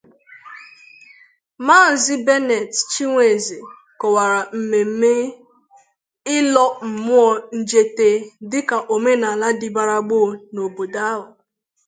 Maazị Berneth Chinweze kọwara mmemme Ịlọ Mmụọ Nteje dịka omenala dịbara gboo n'obodo ahụ